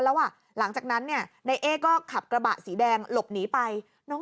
แล้วอ่ะหลังจากนั้นเนี่ยนายเอ๊ก็ขับกระบะสีแดงหลบหนีไปน้อง